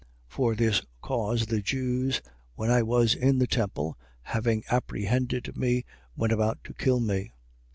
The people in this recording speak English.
26:21. For this cause, the Jews, when I was in the temple, having apprehended me, went about to kill me.